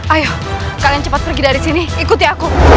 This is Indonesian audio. ayo kalian cepat pergi dari sini ikuti aku